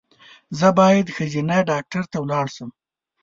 زه باید ښځېنه ډاکټر ته ولاړ شم